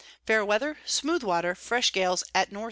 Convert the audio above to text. fair Weather, smooth Water, fresh Gales at N E.